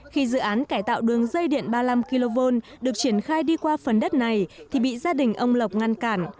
khi dự án cải tạo đường dây điện ba mươi năm kv được triển khai đi qua phần đất này thì bị gia đình ông lộc ngăn cản